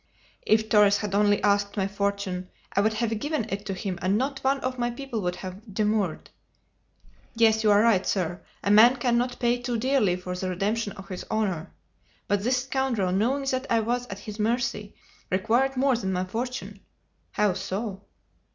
"If Torres had only asked my fortune, I would have given it to him and not one of my people would have demurred! Yes, you are right, sir; a man cannot pay too dearly for the redemption of his honor! But this scoundrel, knowing that I was at his mercy, required more than my fortune!" "How so?"